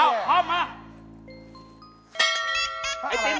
อันนี้ขัดขังไม่ใช่